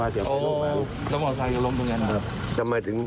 อูพัชเยย่หลบตรงเเยย่รัดนะครับ